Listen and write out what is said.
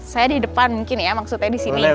saya di depan mungkin ya maksudnya di sini